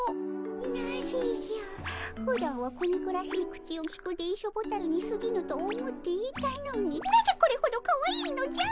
なぜじゃふだんは小憎らしい口をきく電書ボタルにすぎぬと思っていたのになぜこれほどかわいいのじゃ！